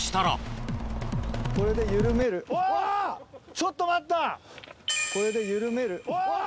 ちょっと待った。